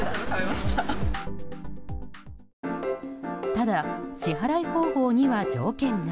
ただ、支払い方法には条件が。